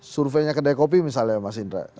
surveinya kedai kopi misalnya mas indra